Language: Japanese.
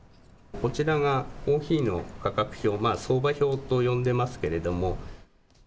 こちらがコーヒーの価格表、相場表と呼んでますけれども。